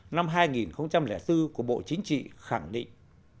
năm hai nghìn bốn của bộ chính trị khẳng định